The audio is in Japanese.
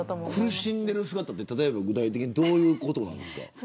苦しんでる姿って具体的にどういうことですか。